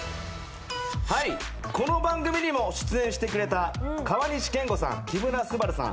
この番組にも出演してくれた河西健吾さん、木村昴さん